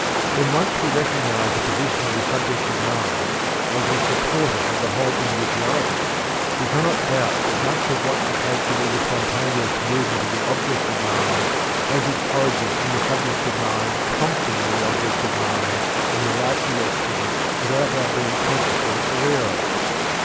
When once we recognize the position of the subjective mind as the supporter of the whole individuality we cannot doubt that much of what we take to be the spontaneous movement of the objective mind has its origin in the subjective mind prompting the objective mind in the right direction without our being consciously aware of it.